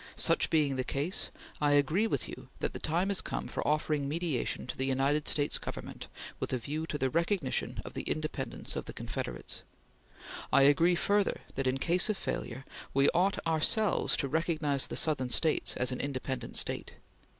Such being the case, I agree with you that the time is come for offering mediation to the United States Government with a view to the recognition of the independence of the Confederates. I agree further that in case of failure, we ought ourselves to recognize the Southern States as an independent State.